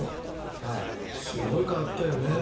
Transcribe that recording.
すごい変わったよね。